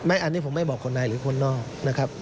อันนี้ผมไม่บอกคนไหนหรือคนนอกนะครับ